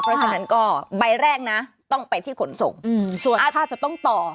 เพราะฉะนั้นก็ใบแรกนะต้องไปที่ขนส่งส่วนถ้าจะต้องต่อ